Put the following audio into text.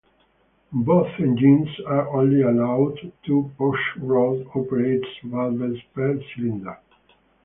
Both engines are only allowed two push-rod operated valves per cylinder.